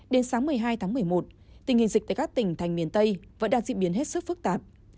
đến sáng một mươi hai tháng một mươi một tình hình dịch tại các tỉnh thành miền tây vẫn đang diễn biến hết sức phức tạp